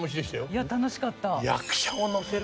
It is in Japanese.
いや楽しかった。